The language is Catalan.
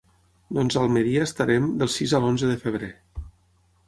Doncs a Almeria estarem del sis a l'onze de Febrer.